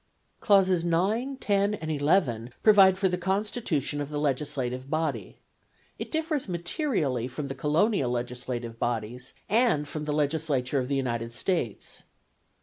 Clauses 9, 10, and 11 provide for the constitution of the legislative body; it differs materially from the colonial legislative bodies, and from the Legislature of the United States.